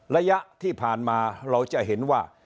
ระยะที่ผ่านมาเราจะเห็นว่า